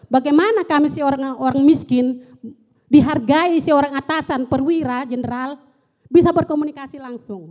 bagaimana kami seorang orang miskin dihargai seorang atasan perwira general bisa berkomunikasi langsung